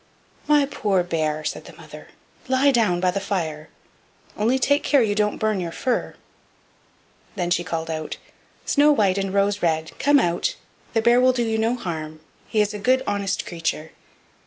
"My poor bear," said the mother, "lie down by the fire, only take care you don't burn your fur." Then she called out: "Snow white and Rose red, come out; the bear will do you no harm; he is a good, honest creature."